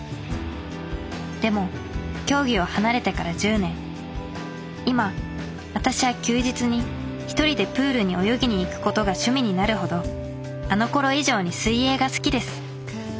でも競技を離れてから１０年今私は休日に一人でプールに泳ぎに行くことが趣味になるほどあのころ以上に水泳が好きです。